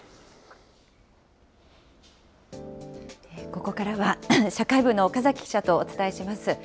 ここからは社会部の岡崎記者とお伝えします。